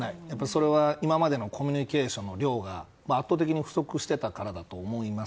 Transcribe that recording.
それは今までのコミュニケーションの量が圧倒的に不足していたからだと思います。